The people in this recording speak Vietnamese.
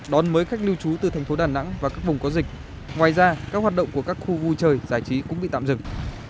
đón mới khách lưu trú từ thành phố đà nẵng và các vùng có dịch ngoài ra các hoạt động của các khu vui chơi giải trí cũng bị tạm dừng